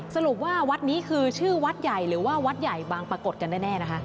สรุปว่าวัดนี้คือชื่อวัดใหญ่หรือว่าวัดใหญ่บางปรากฏกันแน่นะคะ